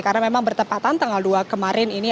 karena memang bertempatan tanggal dua kemarin ini